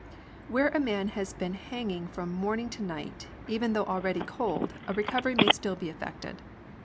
" Where a man has been hanging from morning to night, even though already cold, a recovery may still be effected.